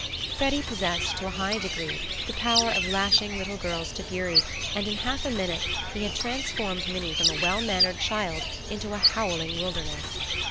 Freddy possessed to a high degree the power of lashing little girls to fury, and in half a minute he had transformed Minnie from a well mannered child into a howling wilderness.